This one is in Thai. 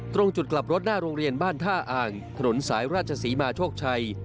ตรงจุดกลับรถหน้าโรงเรียนบ้านท่าอ่างถนนสายราชศรีมาโชคชัย